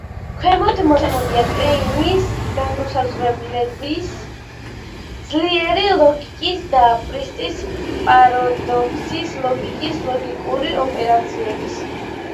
ქვემოთ მოცემულია კლეინის „განუსაზღვრელობის ძლიერი ლოგიკის“ და პრისტის „პარადოქსის ლოგიკის“ ლოგიკური ოპერაციების ჭეშმარიტების ცხრილები.